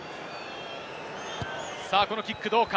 このキック、どうか？